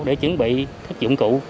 để chuẩn bị các dụng cụ